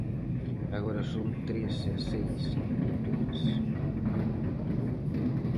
Agora son tres e seis condutores.